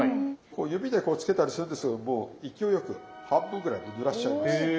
指でこうつけたりするんですけども勢いよく半分ぐらいぬらしちゃいます。